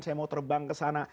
saya mau terbang ke sana